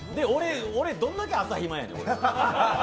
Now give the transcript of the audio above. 俺、どんだけ朝暇やねん。